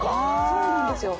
そうなんですよ。